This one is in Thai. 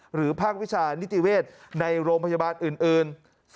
ภาควิชานิติเวศในโรงพยาบาลอื่น